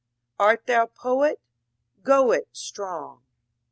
Art thou Poet? Go it Strong